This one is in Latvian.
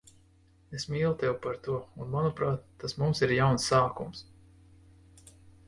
Es mīlu tevi par to un, manuprāt, tas mums ir jauns sākums.